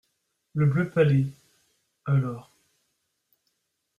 Le bleu pâlit… alors…